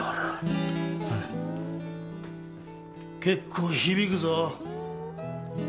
結構響くぞ。